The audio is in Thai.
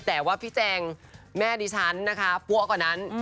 แต่ว่าพี่แจงแม่ดิฉันนะคะปั้วกว่านั้น